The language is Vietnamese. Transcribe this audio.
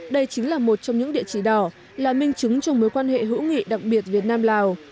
đây chính là một trong những địa chỉ đỏ là minh chứng trong mối quan hệ hữu nghị đặc biệt việt nam lào